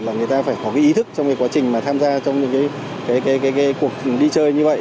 và người ta phải có cái ý thức trong cái quá trình mà tham gia trong cái cuộc đi chơi như vậy